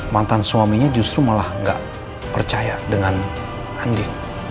mantan suaminya justru malah gak percaya dengan andi